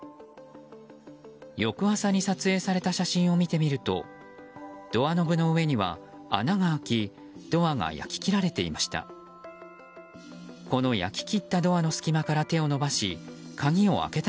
翌朝に撮影された写真を見てみるとドアノブの上には穴が開きドアが焼き切られていました。